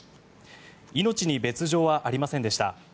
命に別条はありませんでした。